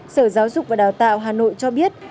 sở giáo dục và đào tạo hà nội cho biết